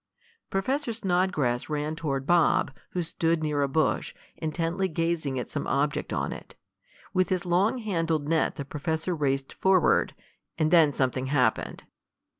Professor Snodgrass ran toward Bob, who stood near a bush, intently gazing at some object on it. With his long handled net the professor raced forward. And then something happened.